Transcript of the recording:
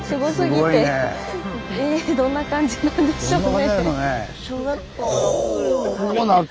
どんな感じなんでしょうね。